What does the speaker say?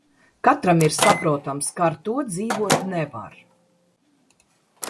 Katram ir saprotams, ka ar to dzīvot nevar.